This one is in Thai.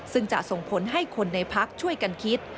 ซึ่งจะส่งผลให้คนในพักช่วยกันคิด